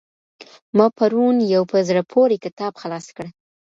ما پرون يو په زړه پوري کتاب خلاص کړ.